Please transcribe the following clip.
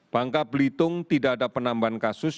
bangka belitung tidak ada penambahan kasus